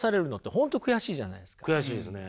悔しいですね。